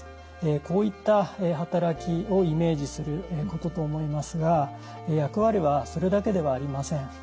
こういった働きをイメージすることと思いますが役割はそれだけではありません。